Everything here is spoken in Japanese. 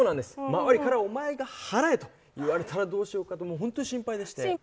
周りからお前が払えと言われたらどうしようかともうほんとに心配でして。